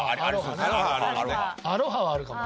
アロハはあるかも。